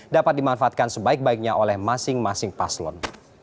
dapat dimanfaatkan sebaik baiknya oleh masing masing paslon